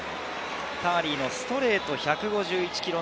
ターリーのストレート、１５１キロ。